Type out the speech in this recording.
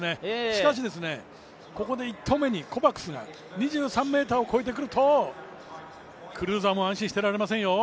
しかし、ここで１投目にコバクスが２３ｍを越えてくると、クルーザーも安心してられませんよ。